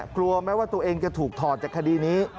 กลัวแม้ว่าตัวเองจะถูกถอดจากคดีนี้